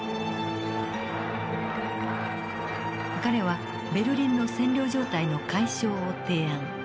彼はベルリンの占領状態の解消を提案。